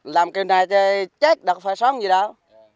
làm kiểu này thì chết đất phải sống gì đâu